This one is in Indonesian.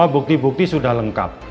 bukti bukti sudah lengkap